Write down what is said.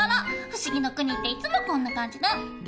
不思議の国っていつもこんな感じね。